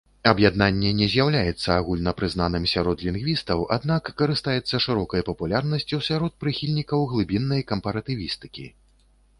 Аб'яднанне не з'яўляецца агульнапрызнаным сярод лінгвістаў, аднак карыстаецца шырокай папулярнасцю сярод прыхільнікаў глыбіннай кампаратывістыкі.